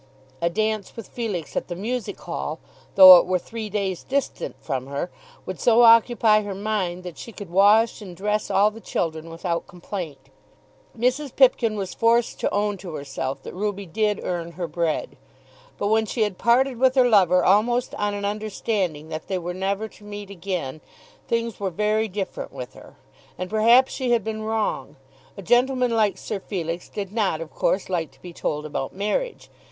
A dance with Felix at the Music Hall, though it were three days distant from her, would so occupy her mind that she could wash and dress all the children without complaint. Mrs. Pipkin was forced to own to herself that Ruby did earn her bread. But when she had parted with her lover almost on an understanding that they were never to meet again, things were very different with her. And perhaps she had been wrong. A gentleman like Sir Felix did not of course like to be told about marriage.